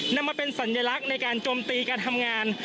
นำมาเป็นสัญลักษณ์ในการโจมตีการทำงาน